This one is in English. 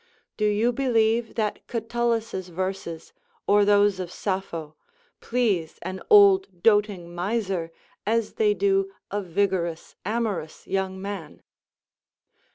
Do you believe that Catullus's verses, or those of Sappho, please an old doting miser as they do a vigorous, amorous young man?